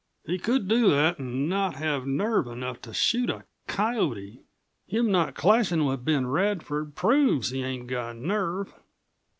"He could do that an' not have nerve enough to shoot a coyote. Him not clashin' with Ben Radford proves he ain't got nerve."